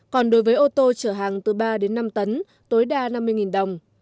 còn đối với ô tô chở hàng từ ba đến năm tấn tối đa năm mươi đồng